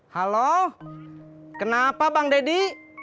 halo kenapa bang deddy